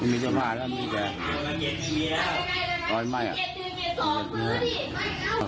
แต่มีข้อผ้าแล้วมีแสน้อยไหม้อะ